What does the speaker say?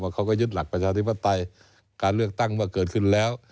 เขาก็ยึดหลักประชาธิปไตยการเลือกตั้งว่าเกิดขึ้นแล้ว